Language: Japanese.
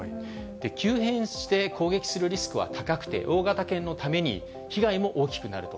急変して攻撃するリスクは高くて、大型犬のために被害も大きくなると。